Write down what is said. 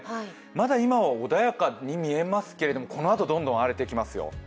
まだ今は穏やかに見えますけれども、このあとどんどん荒れてきますよ。